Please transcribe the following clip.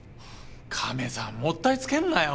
カメさんもったいつけんなよ。